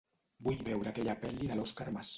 Vull veure aquella pel·li de l'Òscar Mas.